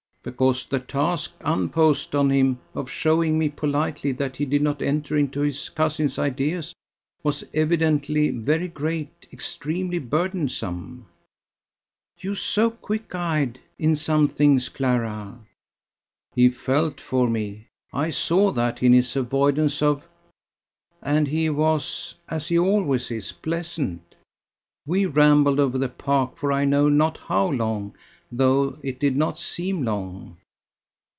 "Because the task unposed on him of showing me politely that he did not enter into his cousin's ideas was evidently very great, extremely burdensome." "You, so quick eyed in some things, Clara!" "He felt for me. I saw that in his avoidance of. .. And he was, as he always is, pleasant. We rambled over the park for I know not how long, though it did not seem long."